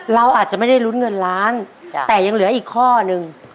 เราอาจจะไม่ได้ลุ้นเงินล้านแต่ยังเหลืออีกข้อนึง